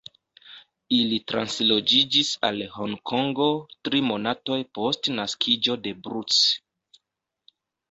Ili transloĝiĝis al Honkongo tri monatoj post naskiĝo de Bruce.